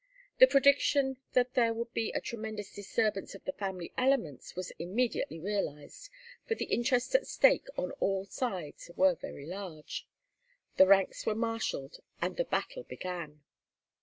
The prediction that there would be a tremendous disturbance of the family elements was immediately realized, for the interests at stake on all sides were very large. The ranks were marshalled and the battle began.